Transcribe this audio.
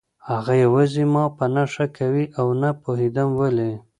هغه یوازې ما په نښه کوي او نه پوهېدم ولې